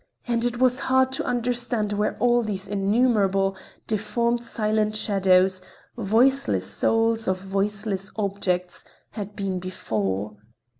And it was hard to understand where all these innumerable, deformed silent shadows—voiceless souls of voiceless objects—had been before.